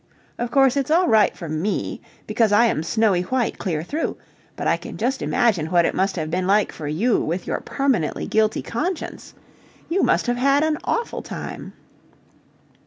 Of course, it's all right for me, because I am snowy white clear through, but I can just imagine what it must have been like for you with your permanently guilty conscience. You must have had an awful time.